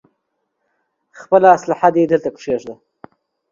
خپله اسلاحه دې دلته کېږده.